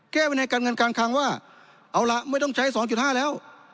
แก้วินัยการเงินกลางคลังว่าเอาล่ะไม่ต้องใช้สองจุดห้าแล้ว